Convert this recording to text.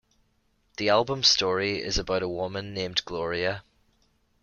The album's story is about a woman named Gloria.